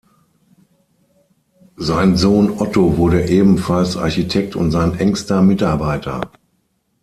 Sein Sohn Otto wurde ebenfalls Architekt und sein engster Mitarbeiter.